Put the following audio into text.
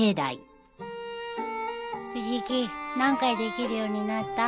藤木何回できるようになった？